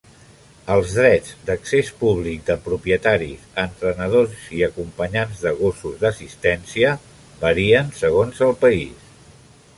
Els drets d'accés públic de propietaris, entrenadors i acompanyants de gossos d'assistència varien segons el país.